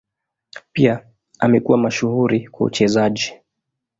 Pia amekuwa mashuhuri kwa uchezaji.